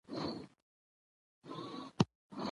د وزارت امنیت داخلي قرارګاه ته